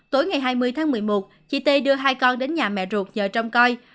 tối ngày hai mươi tháng một mươi một chị tê đưa hai con đến nhà mẹ ruột nhờ trong coi